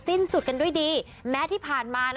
สิ้นสุดของกันด้วยดี